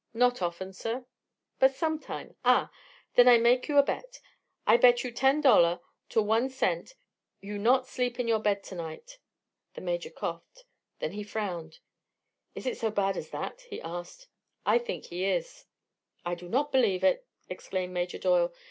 "Not often, sir." "But sometime? Ah! Then I make you a bet. I bet you ten dollar to one cent you not sleep in your bed to night." The Major coughed. Then he frowned. "Is it so bad as that?" he asked. "I think he is." "I'll not believe it!" exclaimed Major Doyle.